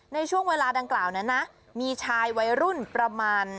ในช่วงเวลาดังกล่าวนั้นนะมีชายวัยรุ่นประมาณ